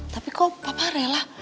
tapi kok papa rela